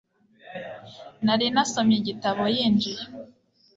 Nari nasomye igitabo yinjiye.